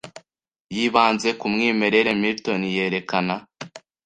yibanze ku mwimerere Milton yerekana